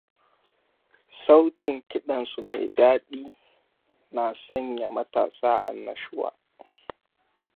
Sautin kiɗansu me daɗi na sanya matasa annashuwa.